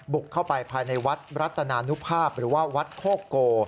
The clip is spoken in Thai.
บุกเข้าไปภายในวัดรัตนานุภาพหรือว่าวัดโคโก